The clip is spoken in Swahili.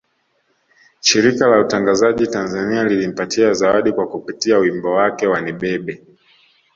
Shirika la Utangazaji Tanzania lilimpatia zawadi kwa kupitia wimbo wake wa Nibebe